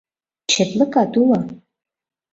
Четлыкат уло